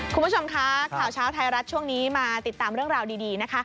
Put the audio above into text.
คุณผู้ชมคะข่าวเช้าไทยรัฐช่วงนี้มาติดตามเรื่องราวดีนะคะ